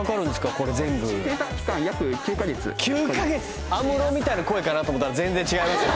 これ全部アムロみたいな声かなと思ったら全然違いますね